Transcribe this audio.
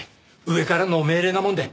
上からの命令なもんで。